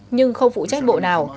nhưng không phụ trách bỏ phiếu